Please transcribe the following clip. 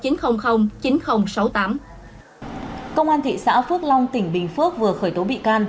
công an thị xã phước long tỉnh bình phước vừa khởi tố bị can